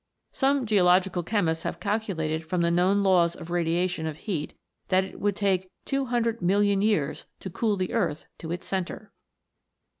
Some geo logical chemists have calculated from the known laws of radiation of heat, that it would take 200,000,000 years to cool the earth to its centre